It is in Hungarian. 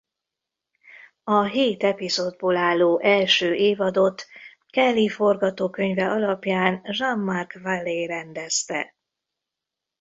A hét epizódból álló első évadot Kelley forgatókönyve alapján Jean-Marc Vallée rendezte.